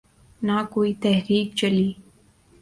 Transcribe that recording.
نہ کوئی تحریک چلی۔